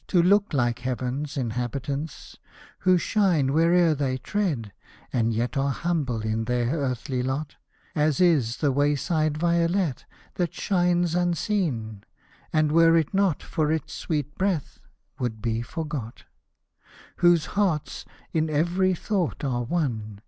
To look like heaven's inhabitants — Who shine where'er they tread, and yet Are humble in their earthly lot, As is the way side violet, That shines unseen, and were it not For its sweet breath would be forgot — Whose hearts, in every thought, are one.